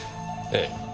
ええ。